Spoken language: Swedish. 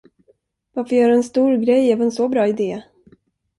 Varför göra en stor grej av en sån bra idé?